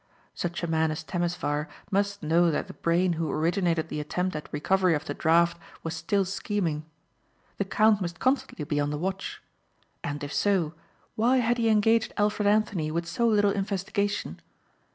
Such a man as Temesvar must know that the brain who originated the attempt at recovery of the draft was still scheming. The count must constantly be on the watch. And if so, why had he engaged Alfred Anthony with so little investigation?